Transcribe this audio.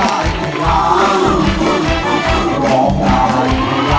ร้องได้